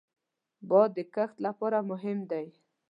باد د کښت لپاره مهم دی